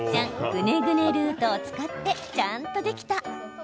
ぐねぐねルートを使ってちゃんとできた！